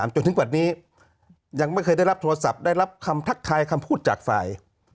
จนถึงวันนี้ยังไม่เคยได้รับโทรศัพท์ได้รับคำทักทายคำพูดจากฝ่าย